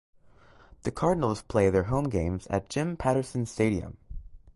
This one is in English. The Cardinals play their home games at Jim Patterson Stadium.